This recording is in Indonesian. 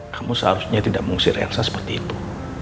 kamu seharusnya tidak mengusir ensa seperti itu